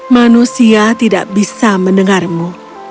manusia tidak bisa mendengarmu